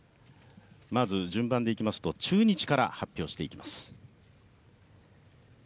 まず順番でいきますと、中日から発表していきます。